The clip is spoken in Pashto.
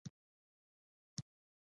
د نساجۍ په برخه کې کوم پرمختګ نه و.